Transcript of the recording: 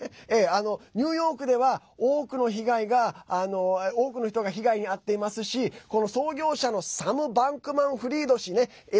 ニューヨークでは多くの人が被害に遭っていますしこの創業者のサム・バンクマン・フリード氏ね。